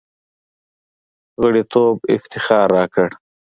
غړیتوب افتخار راکړ.